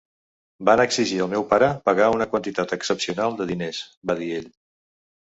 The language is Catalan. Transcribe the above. "Van exigir al meu pare pagar una quantitat excepcional de diners", va dir ell.